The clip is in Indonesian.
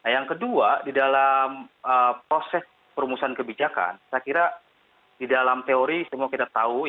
yang kedua di dalam proses perumusan kebijakan saya kira di dalam teori semua kita tahu